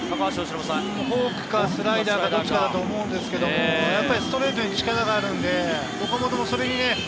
フォークかスライダーかどっちかだろうと思うんですけど、ストレートに力があるので岡本もそれに。